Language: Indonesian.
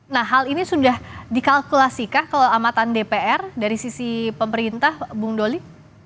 nah hal ini sudah dikalkulasi kah kalau amatan dpr dari sisi pemerintah bung doli